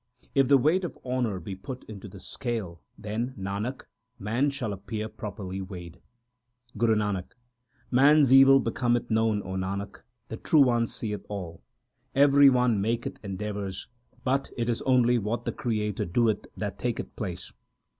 If the weight of honour be put into the scale, then, Nanak, man shall appear properly weighed. Guru Nanak Man s evil becometh known, O Nanak ; the True One seeth all. Every one maketh endeavours, but it is only what the Creator doeth that taketh place.